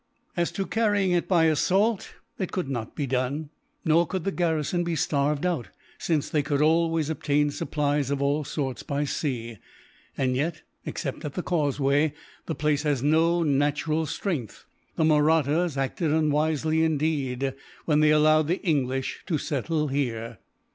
"As to carrying it by assault, it could not be done; nor could the garrison be starved out, since they could always obtain supplies of all sorts by sea. And yet, except at the causeway, the place has no natural strength. The Mahrattas acted unwisely, indeed, when they allowed the English to settle here."